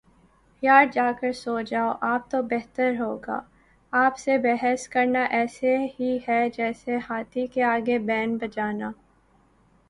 یار جا کر سو جاﺅ آپ تو بہتر ہو گا، آپ سے بحث کرنا ایسے ہی ہے جسیے ہاتھی کے آگے بین بجانا